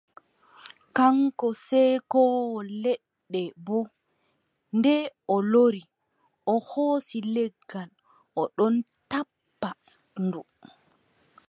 Kaŋko ceekoowo leɗɗe boo, nde o lori, o hoosi leggal o ɗon tappa ndu.